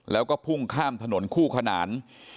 แล้วก็พุ่งข้ามถนนคู่ขนาน